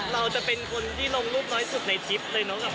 เราจะเป็นคนที่ลงรูปน้อยสุดในทริปเลยเนาะ